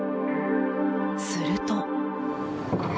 すると。